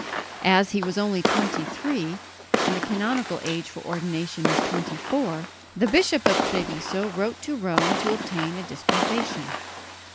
As he was only twenty three, and the canonical age for ordination is twenty four, the Bishop of Treviso wrote to Rome to obtain a dispensation.